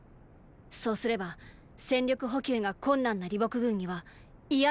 そうすれば戦力補給が困難な李牧軍には嫌な打撃となる。